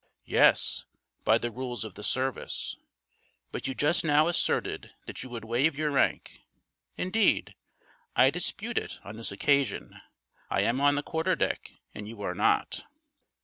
"Yes, by the rules of the service; but you just now asserted that you would waive your rank: indeed, I dispute it on this occasion; I am on the quarter deck, and you are not."